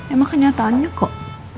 emang kenyataannya kok